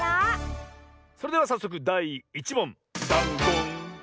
それではさっそくだい１もんダンゴン！